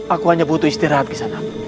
aku hanya butuh istirahat kisanak